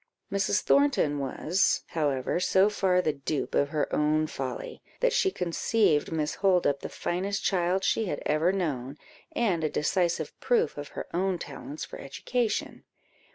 Mrs. Thornton was, however, so far the dupe of her own folly, that she conceived Miss Holdup the finest child she had ever known, and a decisive proof of her own talents for education.